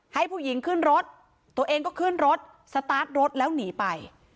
ให้ผู้หญิงขึ้นรถตัวเองก็ขึ้นรถสตาร์ทรถแล้วหนีไป